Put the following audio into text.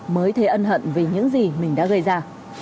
mới thấy ân hận vì những gì mình đã gây ra